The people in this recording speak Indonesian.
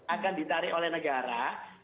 akan ditarik oleh negara